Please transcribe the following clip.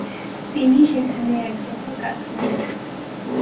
তিনি সেখানে এক বছর কাজ করেন।